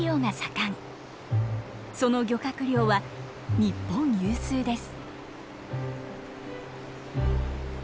その漁獲量は日本有数です。